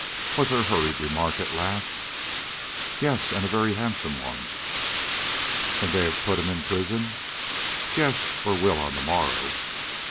was her hurried remark at last. "Yes, and a very handsome one." "And they have put him in prison?" "Yes, or will on the morrow."